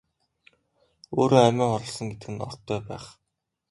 Өөрөө амиа хорлосон гэдэг нь ортой байх.